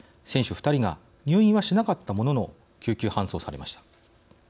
２人が入院はしなかったものの救急搬送されました。